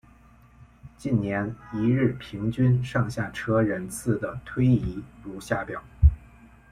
近年一日平均上下车人次的推移如下表。